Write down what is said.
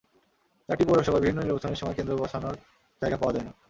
চারটি পৌরসভায় বিভিন্ন নির্বাচনের সময় কেন্দ্র বসানোর জায়গা পাওয়া যায় না।